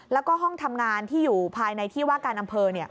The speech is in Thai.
แล้วก็ห้องทำงานที่อยู่ภายในที่ว่าการอำเภอ